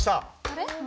あれ？